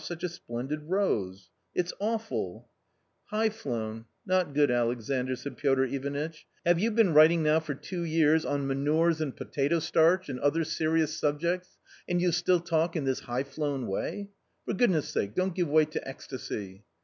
such a splendid rose:} It's awful !" [igh flown, not good, Alexandr !" said Piotr Ivanitch ;" have you been writing now for two years on manures, and A COMMON STORY 77 potato starch, and other serious subjects and you still talk in this high flown way. For goodness' sake, don't give way to ecstasy."